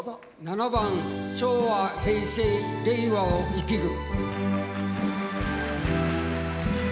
７番「昭和・平成・令和を生きる」。